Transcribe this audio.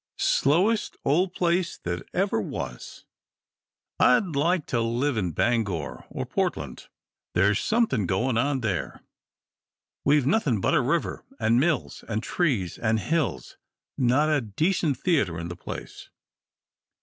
"Slowest old place that ever was. I'd like to live in Bangor or Portland. There's something going on there. We've nothing but a river, and mills, and trees, and hills not a decent theatre in the place."